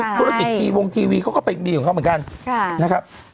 ธุรกิจทีวงทีวีเขาก็เป็นดีของเขาเหมือนกัน